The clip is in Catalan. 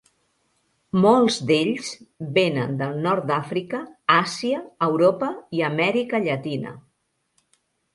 Molts d"ells venen del Nord d"Àfrica, Àsia, Europa i Amèrica Llatina.